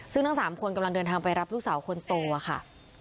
ซึ่งทั้ง๓คนกำลังเดินทางไปรับลูกสาวคนโตค่ะ